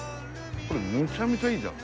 これめちゃめちゃいいじゃん。